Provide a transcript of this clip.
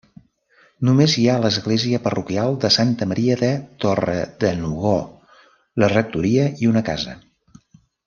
Només hi ha l'església parroquial de Santa Maria de Torredenegó, la rectoria i una casa.